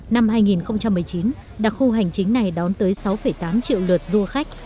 năm hai nghìn một mươi chín đặc khu hành chính này đón tới sáu tám triệu lượt du khách